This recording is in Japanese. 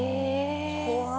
怖い。